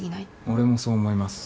俺もそう思います。